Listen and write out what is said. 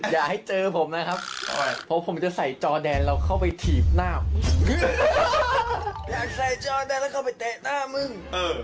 อยากใส่จอแดนแล้วเข้าไปเตะหน้ามึง